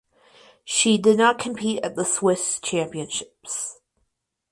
She did not compete at the Swiss Championships.